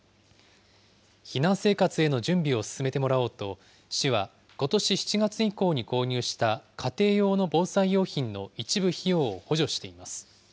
避難生活への準備を進めてもらおうと、市はことし７月以降に購入した家庭用の防災用品の一部費用を補助しています。